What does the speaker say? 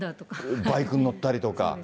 バイクに乗ったりとか。